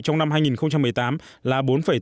trong năm hai nghìn một mươi tám là bốn tám